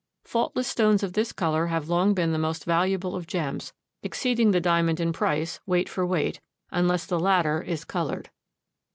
Faultless stones of this color have long been the most valuable of gems, exceeding the diamond in price, weight for weight, unless the latter is colored.